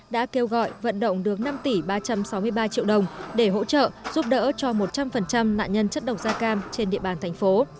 đã kêu gọi vận động được năm tỷ ba trăm sáu mươi ba triệu đồng để hỗ trợ giúp đỡ cho một trăm linh nạn nhân chất độc da cam trên địa bàn thành phố